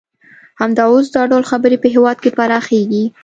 همدا اوس دا ډول خبرې په هېواد کې پراخیږي